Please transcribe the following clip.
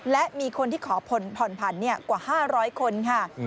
และมีคนที่ขอผ่อนผันกว่า๕๐๐คนค่ะ